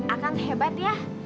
akang hebat ya